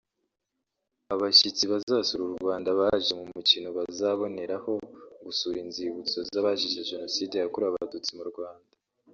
Abashyitsi bazasura u Rwanda baje mu mukino bazanaboneraho gusura inzibutso z’abazize jenoside yakorewe abatutsi mu Rwanda